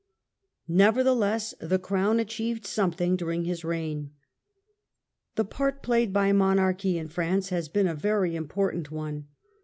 Nevertheless the Crown achieved something during his reign. The part played by Monarchy in France has been a very important one.